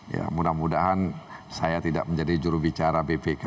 ya mudah mudahan saya tidak menjadi jurubicara bpk